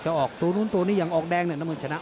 ออกตัวนู้นตัวนี้อย่างออกแดงเนี่ยน้ำเงินชนะ